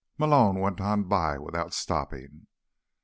Malone went on by without stopping.